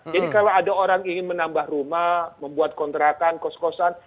jadi kalau ada orang ingin menambah rumah membuat kontratan kos kosan